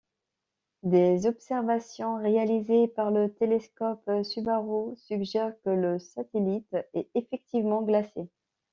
Des observations réalisées par le télescope Subaru suggèrent que le satellite est effectivement glacé.